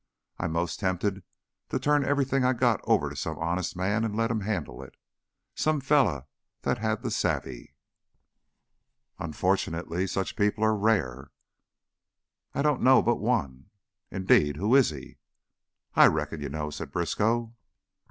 I'm 'most tempted to turn everything I got over to some honest man an' let him han'le it. Some feller that had the savvy." "Unfortunately, such people are rare." "I don't know but one." "Indeed? Who is he?" "I reckon you know," said Briskow.